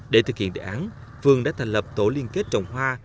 để thực hiện đề án phương đã thành lập tổ liên kết trồng hoa